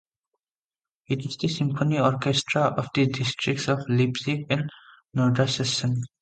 It is the symphony orchestra of the districts of Leipzig and Nordsachsen.